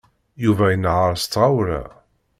Yuba inehheṛ s tɣawla.